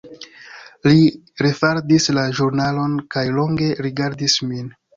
Li refaldis la ĵurnalon kaj longe rigardis min.